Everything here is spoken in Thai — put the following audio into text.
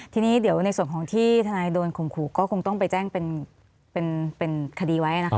ทีนี้เดี๋ยวในส่วนของที่ทนายโดนข่มขู่ก็คงต้องไปแจ้งเป็นคดีไว้นะคะ